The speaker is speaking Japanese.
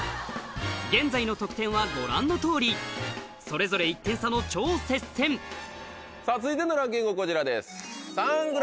現在の得点はご覧のとおりそれぞれ１点差の超接戦続いてのランキング